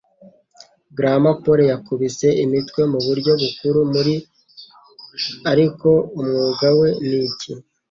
Graham Pole Yakubise Imitwe Muburyo Bukuru Muri Ariko Umwuga we Niki